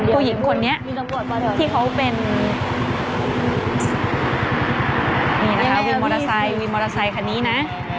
ผู้หญิงคนนี้เขาเป็นวินมอเตอร์ไซต์วินมอเตอร์ไซต์คนนี้นะ